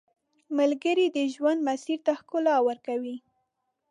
ملګری د ژوند مسیر ته ښکلا ورکوي